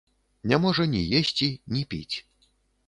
Не можа ні есці, ні піць.